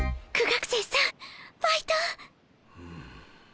苦学生さんファイト！